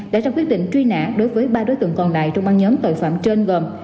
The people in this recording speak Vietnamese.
đã ra quyết định truy nã đối với ba đối tượng còn lại trong băng nhóm tội phạm trên gồm